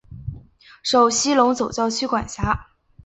受西隆总教区管辖。